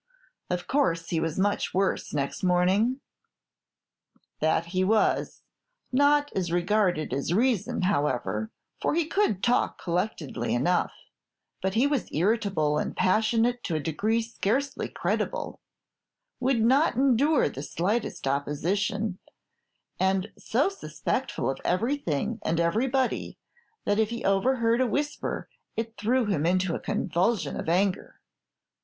Of course he was much worse next morning?" "That he was; not as regarded his reason, however, for he could talk collectedly enough, but he was irritable and passionate to a degree scarcely credible: would not endure the slightest opposition, and so suspectful of everything and everybody that if he overheard a whisper it threw him into a convulsion of anger.